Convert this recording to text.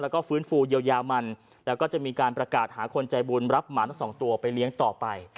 แล้วก็ฟื้นฟูเยียวยามันแล้วก็จะมีการประกาศหาคนใจบุญรับหมาทั้งสองตัวไปเลี้ยงต่อไป